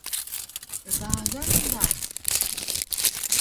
Rbagan da!